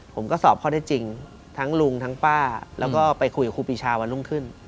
ผมก็สอบข้อได้จริงทั้งลุงทั้งป้าแล้วก็ไปคุยกับครูปีชาวันรุ่งขึ้น